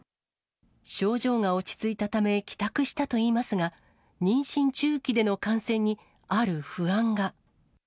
症状が落ち着いたため帰宅したといいますが、妊娠中期での感染に、ある不安が。